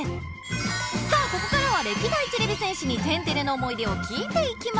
さあここからは歴代てれび戦士に「天てれ」の思い出を聞いていきましょう！